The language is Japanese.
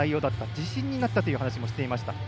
自信になったという話もしていました。